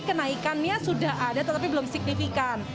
kenaikannya sudah ada tetapi belum signifikan